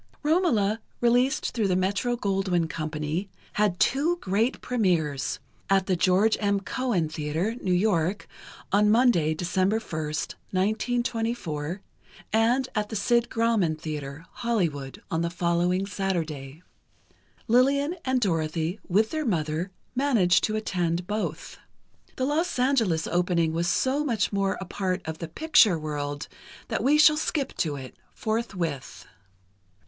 "Romola," released through the Metro Goldwyn Company, had two great premières: at the George M. Cohan Theatre, New York, on Monday, December 1st, 1924, and at the Sid Grauman Theatre, Hollywood, on the following Saturday. Lillian and Dorothy, with their mother, managed to attend both. The Los Angeles opening was so much more a part of the "picture" world that we shall skip to it, forthwith.